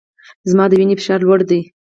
زما د وینې فشار لوړ دی